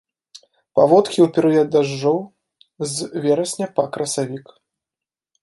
Паводкі ў перыяд дажджоў, з верасня па красавік.